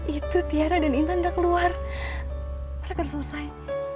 itu tiara dan intan udah keluar mereka selesai